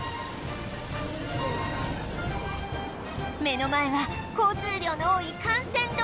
目の前は交通量の多い幹線道路